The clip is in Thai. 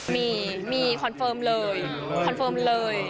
มีมีคอนเฟิร์มเลยคอนเฟิร์มเลย